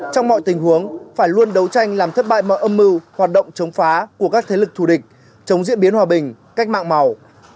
trong mọi tình huống phải luôn đấu tranh làm thất bại mọi âm mưu hoạt động chống phá của các thế lực thù địch chống diễn biến hòa bình cách mạng màu